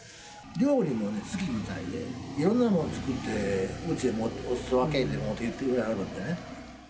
料理も好きみたいで、いろんなもん作って、うちへおすそ分けって言うて持ってきてくれはるんでね。